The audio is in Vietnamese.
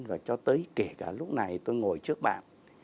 và cho tới kể cả lúc này tôi ngồi trước bạn